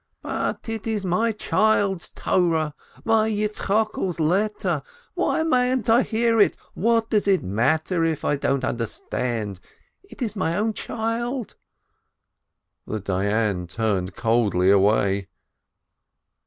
"But it is my child's Torah, my YitzchokePs letter, why mayn't I hear it? What does it matter if I don't understand ? It is my own child !" The Dayan turned coldly away.